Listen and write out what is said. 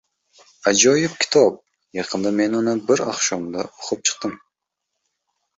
— Ajoyib kitob. Yaqinda men uni bir oqshomda o‘qib chiqdim.